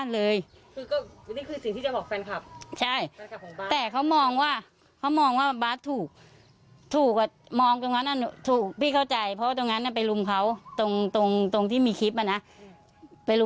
ก็ยืนยันว่านิตย์ก็ยังคงเป็นคนที่นิสัยดี